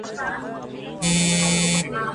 ایا لارښود د څيړني اصول ښيي؟